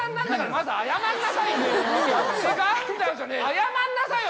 謝んなさいよ